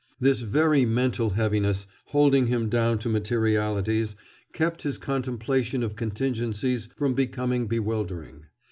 This very mental heaviness, holding him down to materialities, kept his contemplation of contingencies from becoming bewildering.